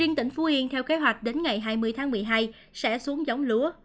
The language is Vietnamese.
riêng tỉnh phú yên theo kế hoạch đến ngày hai mươi tháng một mươi hai sẽ xuống giống lúa